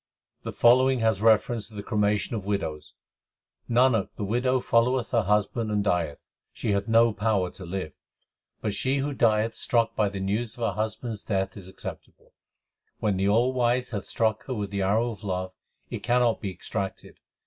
HYMNS OF GURU NANAK ; M The following has reference to the concremation of widows : Nanak, the widow followeth her husband and dieth : >\\< hath no power to live. But she who dieth struck by the news of her husband s death is acceptable. When the Allwise hath struck her with the arrow of love, it cannot be extracted.